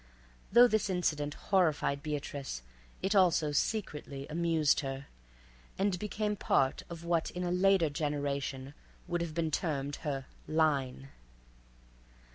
Though this incident horrified Beatrice, it also secretly amused her and became part of what in a later generation would have been termed her "line."